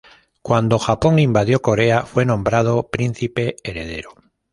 Cuando Japón invadió Corea fue nombrado príncipe heredero.